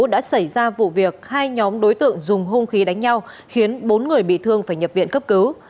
đã xảy ra vụ việc hai nhóm đối tượng dùng hung khí đánh nhau khiến bốn người bị thương phải nhập viện cấp cứu